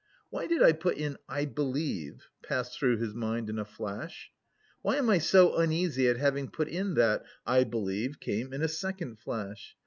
"Why did I put in 'I believe'" passed through his mind in a flash. "Why am I so uneasy at having put in that 'I believe'?" came in a second flash.